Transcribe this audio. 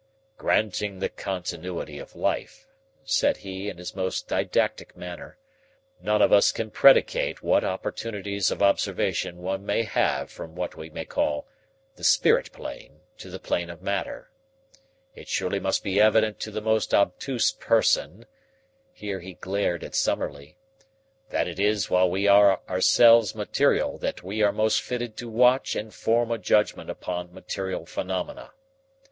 "Granting the continuity of life," said he, in his most didactic manner, "none of us can predicate what opportunities of observation one may have from what we may call the spirit plane to the plane of matter. It surely must be evident to the most obtuse person" (here he glared a Summerlee) "that it is while we are ourselves material that we are most fitted to watch and form a judgment upon material phenomena.